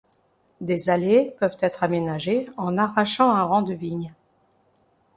Des allées peuvent être aménagée en arrachant un rang de vigne.